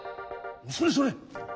それそれ。